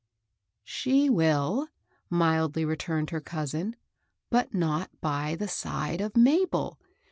"She will," mildly returned her cousin; "but not by side of Mabel.